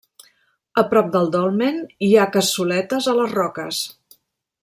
A prop del dolmen hi ha cassoletes a les roques.